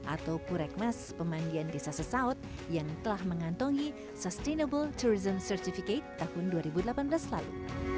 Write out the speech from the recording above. atau purekmas pemandian desa sesaut yang telah mengantongi sustainable tourism certificate tahun dua ribu delapan belas lalu